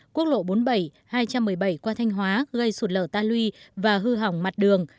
quốc lộ bốn mươi bảy hai trăm một mươi bảy qua thanh hóa gây sụt lở ta lui và hư hỏng mặt đường